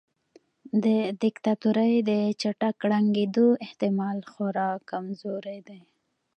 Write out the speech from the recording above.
د دیکتاتورۍ د چټک ړنګیدو احتمال خورا کمزوری دی.